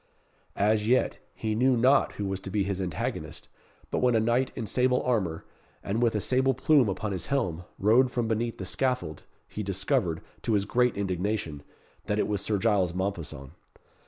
As yet, he knew not who was to be his antagonist; but when a knight in sable armour, and with a sable plume upon his helm, rode from beneath the scaffold, he discovered, to his great indignation, that it was Sir Giles Mompesson.